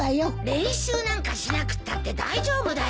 練習なんかしなくったって大丈夫だよ。